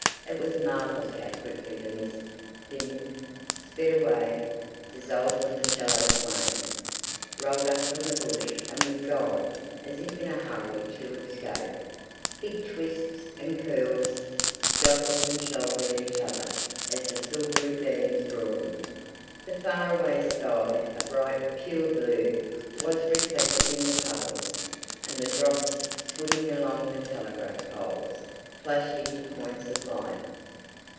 It was marvellous how quickly the mist thinned, sped away, dissolved from the shallow plain, rolled up from the bush and was gone as if in a hurry to escape; big twists and curls jostled and shouldered each other as the silvery beams broadened. The far away sky—a bright, pure blue—was reflected in the puddles, and the drops, swimming along the telegraph poles, flashed into points of light.